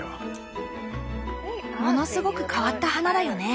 ものすごく変わった花だよね。